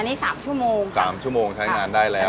อันนี้๓ชั่วโมง๓ชั่วโมงใช้งานได้แล้ว